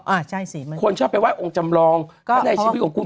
อ่าใช่สิคนชอบไปไห้องค์จำลองก็ในชีวิตของคุณ